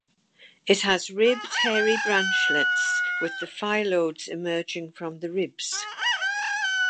It has ribbed hairy branchlets with the phyllodes emerging from the ribs.